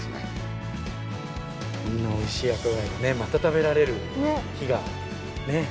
こんな美味しい赤貝をまた食べられる日が。